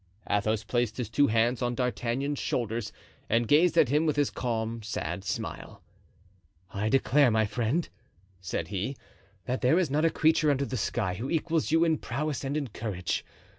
Athos placed his two hands on D'Artagnan's shoulders, and gazed at him with his calm, sad smile. "I declare, my friend," said he, "that there is not a creature under the sky who equals you in prowess and in courage.